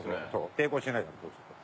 抵抗しないからそうすると。